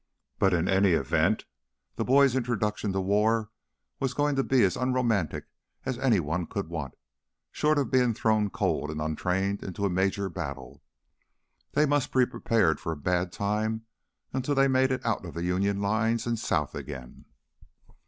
But in any event the boy's introduction to war was going to be as unromantic as anyone could want, short of being thrown cold and untrained into a major battle. They must be prepared for a bad time until they made it out of the Union lines and south again.